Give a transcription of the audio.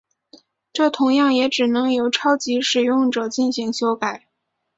这同样也只能由超级使用者进行修改。